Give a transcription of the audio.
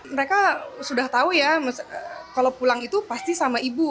mereka sudah tahu ya kalau pulang itu pasti sama ibu